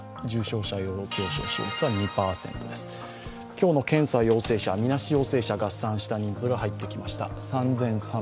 今日の検査陽性者、みなし陽性者合算した人数が入ってきました。